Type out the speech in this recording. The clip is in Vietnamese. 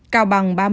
cao bằng ba mươi một